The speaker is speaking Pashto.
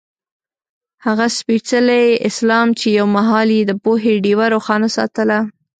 هغه سپېڅلی اسلام چې یو مهال یې د پوهې ډېوه روښانه ساتله.